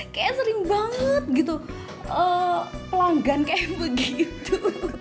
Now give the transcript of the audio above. kayaknya sering banget gitu pelanggan kayak begitu